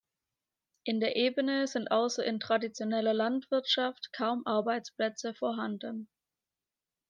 In der Ebene sind außer in traditioneller Landwirtschaft kaum Arbeitsplätze vorhanden.